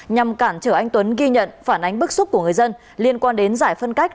nhằm cản trở anh tuấn ghi nhận phản ánh bức xúc của người dân liên quan đến giải phân cách